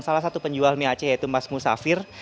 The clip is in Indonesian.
salah satu penjual mie aceh yaitu mas musafir